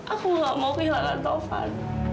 aku nggak mau kehilangan taufan